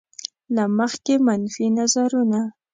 له مخکې منفي نظرونه.